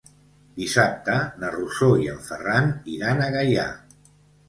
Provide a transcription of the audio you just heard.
Dissabte na Rosó i en Ferran iran a Gaià.